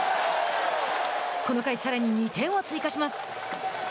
この回、さらに２点を追加します。